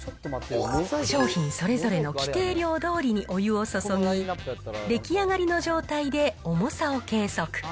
商品それぞれの規定量どおりにお湯を注ぎ、出来上がりの状態で重さを計測。